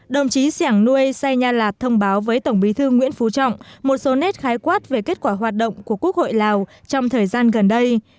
đồng chí xẻng nuôi sai nha lạt thông báo với tổng bí thư nguyễn phú trọng một số nét khái quát về kết quả hoạt động của quốc hội lào trong thời gian gần đây